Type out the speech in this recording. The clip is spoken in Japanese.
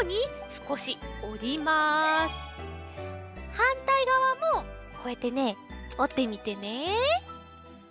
はんたいがわもこうやってねおってみてね。